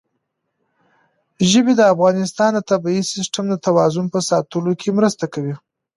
ژبې د افغانستان د طبعي سیسټم د توازن په ساتلو کې مرسته کوي.